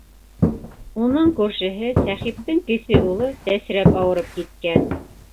Уның күршеһе Сәхиптең кесе улы сәсрәп ауырып киткән.